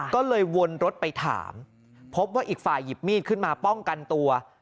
ก็เลยวนรถไปถามพบว่าอีกฝ่ายหยิบมีดขึ้นมาป้องกันตัว